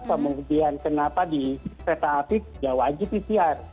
kemudian kenapa di pesawat yang tidak wajib pcr